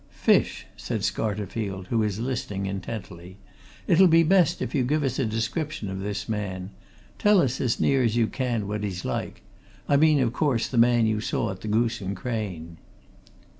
"Fish!" said Scarterfield, who was listening intently. "It'll be best if you give us a description of this man. Tell us, as near as you can, what he's like I mean, of course the man you saw at the Goose and Crane."